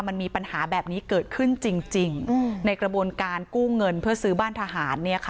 มันมีปัญหาแบบนี้เกิดขึ้นจริงในกระบวนการกู้เงินเพื่อซื้อบ้านทหาร